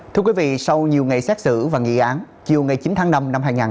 thưa quý vị sau nhiều ngày xét xử và nghị án chiều ngày chín tháng năm năm hai nghìn hai mươi ba